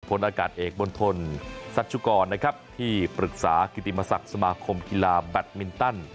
พลอากาศเอกบนทนซัชุกรนะครับที่ปรึกษากิติมศักดิ์สมาคมกีฬาแบตมินตัน